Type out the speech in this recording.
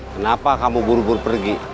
kenapa kamu buru buru pergi